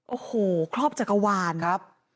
โอ้โหครอบจักรวาลครับ